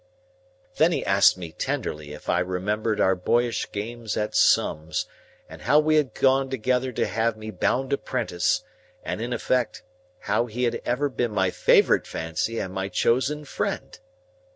Then he asked me tenderly if I remembered our boyish games at sums, and how we had gone together to have me bound apprentice, and, in effect, how he had ever been my favourite fancy and my chosen friend?